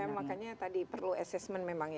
ya makanya tadi perlu assessment memang ya